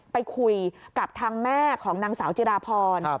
ไปคุยกับทางแม่ของนางสาวจิราพร